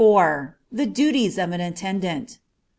THE DUTIES OF AN ATTENDANT.